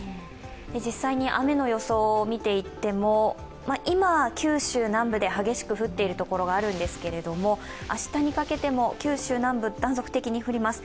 実際に雨の予想を見ていっても、今九州南部で激しく降っているところがあるんですけども、明日にかけても、九州南部、断続的に降ります。